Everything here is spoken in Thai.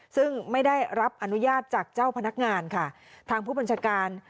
ซึ่งไม่ได้รับอนุญาตจากเจ้าพนักงานค่ะทางผู้บัญชาการ